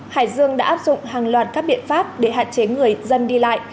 hải dương đã áp dụng hàng loạt các biện pháp để hạn chế người dân đi lại